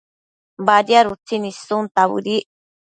Badiad utsin issunta bëdic